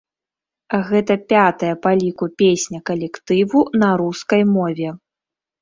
Гэта пятая па ліку песня калектыву на рускай мове.